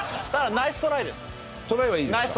ナイストライです。